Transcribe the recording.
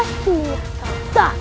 aku mendapat tongkat